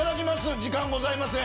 時間ございません。